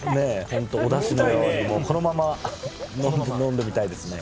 本当おダシのようにこのまま飲んでみたいですね